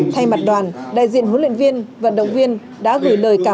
thay mặt đoàn đại diện huấn luyện viên vận động viên đã gửi lời cảm ơn